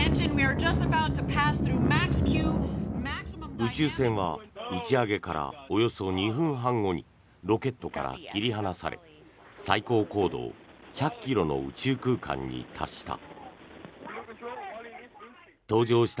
宇宙船は打ち上げからおよそ２分半後にロケットから切り離され最高高度１００ｋｍの宇宙空間に達した。